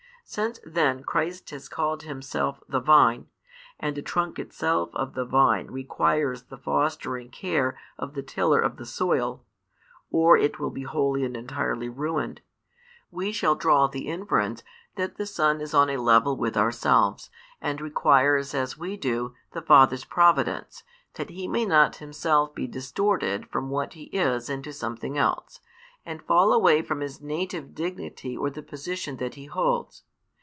Since then Christ has called Himself the Vine, and the trunk itself of the vine requires the fostering care of the tiller of the soil, or it will be wholly and entirely ruined, we shall draw the inference that the Son is on a level with ourselves, and requires, as we do, the Father's providence, that He may not Himself be distorted from what He is into something else, and fall away from His native dignity or the position that He holds.